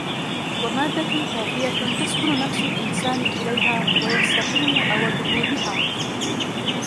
وَمَادَّةٌ كَافِيَةٌ تَسْكُنُ نَفْسُ الْإِنْسَانِ إلَيْهَا وَيَسْتَقِيمُ أَوَدُهُ بِهَا